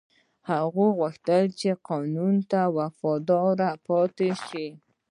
هغه غوښتل چې قانون ته وفادار پاتې شي.